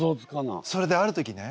それである時ね